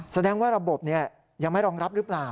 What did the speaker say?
แสดงว่าระบบยังไม่รองรับหรือเปล่า